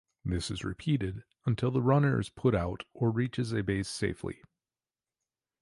This is repeated until the runner is put out or reaches a base safely.